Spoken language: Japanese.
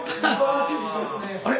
あれ？